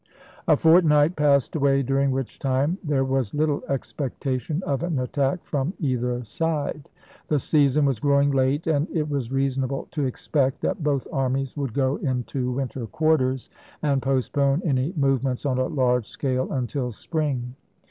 ^ A fortnight passed away, during which time nov.,i863. there was little expectation of an attack from either side. The season was growing late, and it was reasonable to expect that both armies would go into winter quarters and postpone any movements on a large scale until spring.